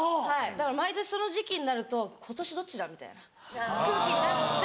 だから毎年その時期になると今年どっちだ？みたいな空気になって。